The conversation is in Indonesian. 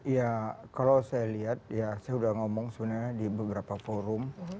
ya kalau saya lihat ya saya sudah ngomong sebenarnya di beberapa forum